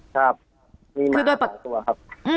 ครับมีหมา๓ตัวครับ